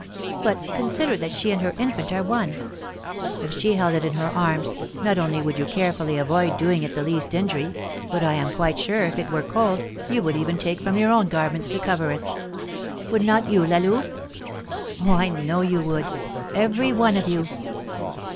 But consider that she and her infant are one. If she held it in her arms, not only would you carefully avoid doing it the least injury, but I am quite sure, if it were cold, you would even take from your own garments to cover it. Would not you, La Louve? Oh, I know you would, every one of you!"